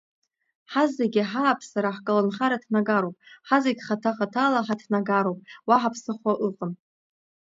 Ҳазегьы ҳааԥсара ҳколнхара ҭнагароуп, ҳазегь хаҭа-хаҭала ҳаҭнагароуп, уаҳа ԥсыхәа ыҟам.